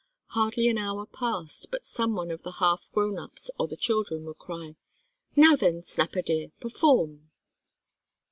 Hardly an hour passed but some one of the half grown ups or the children would cry: "Now then, Snapper dear, perform!"